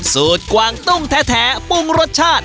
กวางตุ้งแท้ปรุงรสชาติ